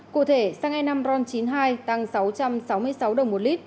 cụ thể xăng e năm ron chín mươi hai tăng sáu trăm sáu mươi sáu đồng một lít